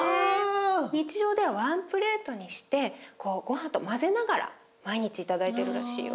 日常ではワンプレートにしてごはんと混ぜながら毎日頂いてるらしいよ。